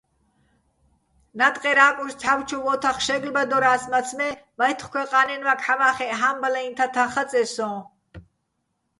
ნატყერ ა́კუშ ცჰ̦ა́ვჩოვ ო́თახ შე́გლბადორა́ს, მაცმე́ მაჲთხქვეყა́ნაჲნმაქ ჰ̦ამა́ხეჸ ჰა́მბალაჲნი̆ თათაჼ ხაწეჼ სო́ჼ.